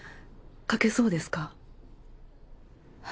描けそうですか？